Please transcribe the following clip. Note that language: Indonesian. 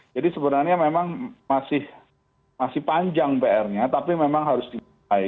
jadi sebenarnya memang masih panjang pr nya tapi memang harus dimulai